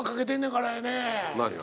何が？